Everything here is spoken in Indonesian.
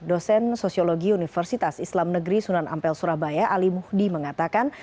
dosen sosiologi universitas islam negeri sunan ampel surabaya ali muhdi mengatakan